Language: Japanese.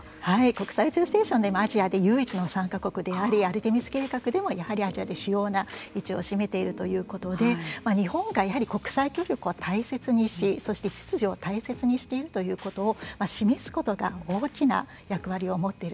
国際宇宙ステーションでアジアで唯一の参加国でありアルテミス計画でもやはりアジアで主要な位置を占めているということで日本がやはり国際協力を大切にしそして秩序を大切にしているということを示すことが大きな役割を持っていると思います。